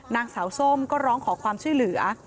นางสาวส้มก็ร้องขอความช่วยเหลือ